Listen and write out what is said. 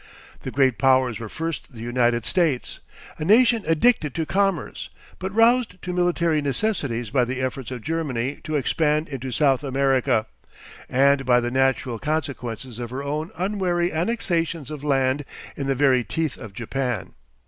The great powers were first the United States, a nation addicted to commerce, but roused to military necessities by the efforts of Germany to expand into South America, and by the natural consequences of her own unwary annexations of land in the very teeth of Japan.